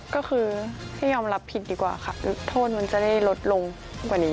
ก็คือให้ยอมรับผิดดีกว่าค่ะโทษมันจะได้ลดลงกว่านี้